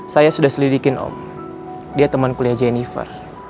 saya sudah selidikin om dia teman kuliah jennifer